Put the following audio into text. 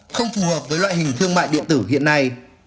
không phù hợp với loại hình thương mại điện tử hiện nay